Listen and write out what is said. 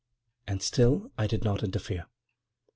And still I did not interfere.